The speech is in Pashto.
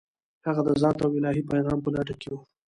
هغه د ذات او الهي پیغام په لټه کې و.